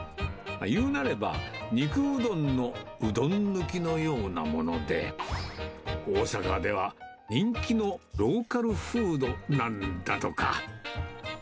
いうなれば、肉うどんのうどん抜きのようなもので、大阪では人気のローカルフードなんだとか。